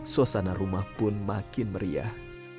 suasana rumah pun makin meriah